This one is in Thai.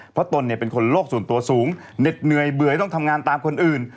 เพราะตนเนี่ยเป็นคนโลกส่วนตัวสูงเหน็ดเหนื่อยเบื่อยต้องทำงานตามคนอื่น